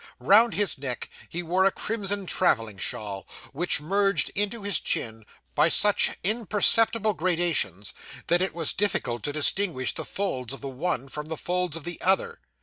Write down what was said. Round his neck he wore a crimson travelling shawl, which merged into his chin by such imperceptible gradations, that it was difficult to distinguish the folds of the one, from the folds of the other.